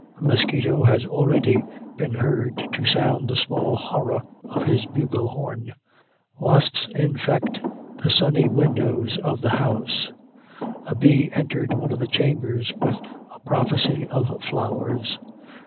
A mosquito has already been heard to sound the small horror of his bugle horn. Wasps infest the sunny windows of the house. A bee entered one of the chambers with a prophecy of flowers.